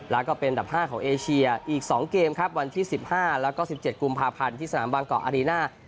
แล้วก็เป็นอันดับห้าของเอเชียอีกสองเกมครับวันที่สิบห้าแล้วก็สิบเจ็ดกุมภาพันธ์ที่สนามบางกอร์อารีน่า